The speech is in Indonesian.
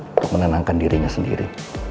untuk menenangkan dirinya sendiri